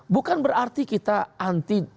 bukan berarti kita anti